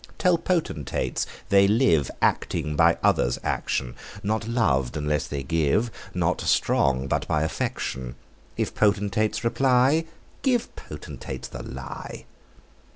Tell potentates, they live Acting, by others' action; Not lov'd unless they give; Not strong, but by affection. If potentates reply, Give potentates the lie.